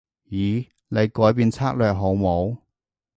咦？你改變策略好冇？